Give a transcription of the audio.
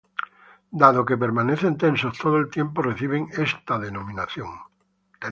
Dado que permanecen tensos todo el tiempo reciben esta denominación.